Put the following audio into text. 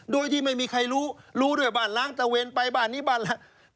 โดยที่ไม่มีใครรู้รู้ด้วยบ้านล้างตะเวนไปบ้านนี้บ้านล้าง